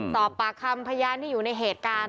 สอบปากคำพยานที่อยู่ในเหตุการณ์